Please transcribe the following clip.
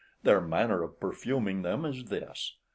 Their manner of perfuming them is this.